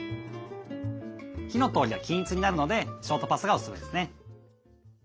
火の通りが均一になるのでショートパスタがおすすめですね。